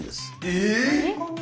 え